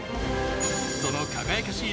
その輝かしい